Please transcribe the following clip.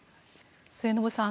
末延さん